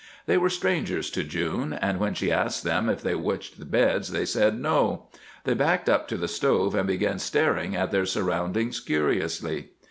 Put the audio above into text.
They were strangers to June, and when she asked them if they wished beds they said "No." They backed up to the stove and began staring at their surroundings curiously.